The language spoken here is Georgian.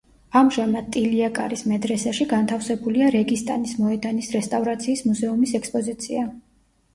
ამჟამად ტილია-კარის მედრესეში განთავსებულია რეგისტანის მოედანის რესტავრაციის მუზეუმის ექსპოზიცია.